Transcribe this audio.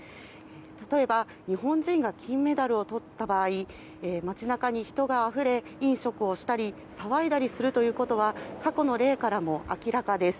例えば日本人が金メダルをとった場合街中に人があふれ飲食をしたり騒いだりするということは過去の例からも明らかです。